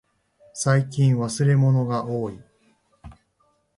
最近忘れ物がおおい。